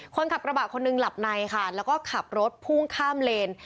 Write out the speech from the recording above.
คนขับกระบะคนหนึ่งหลับในค่ะแล้วก็ขับรถพุ่งข้ามเลน